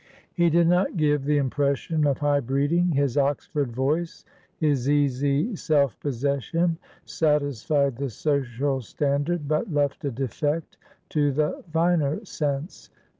He did not give the impression of high breeding. His Oxford voice, his easy self possession, satisfied the social standard, but left a defect to the finer sense.